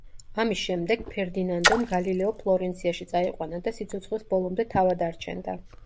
ამის შემდეგ, ფერდინანდომ გალილეო ფლორენციაში წაიყვანა და სიცოცხლის ბოლომდე თავად არჩენდა.